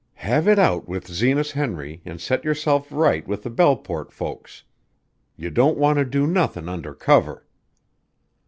"Have it out with Zenas Henry an' set yourself right with the Belleport folks. You don't want to do nothin' under cover."